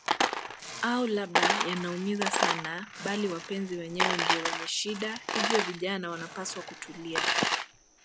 au labda yanaumiza sana bali wapenzi wenyewe ndio wenye shida hivyo vinajana wanapaswa kutulia